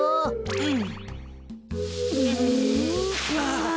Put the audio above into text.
うん。